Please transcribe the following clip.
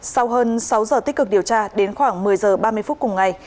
sau hơn sáu giờ tích cực điều tra đến khoảng một mươi giờ ba mươi phút cùng ngày